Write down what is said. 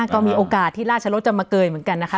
แต่มีโอกาสที่ราชโลกจะมันเกยมันกันนะคะ